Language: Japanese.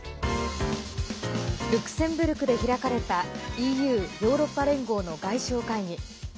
ルクセンブルクで開かれたＥＵ＝ヨーロッパ連合の外相会議。